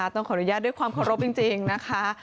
ต้องขออนุญาตด้วยความเคารพจริงนะคะ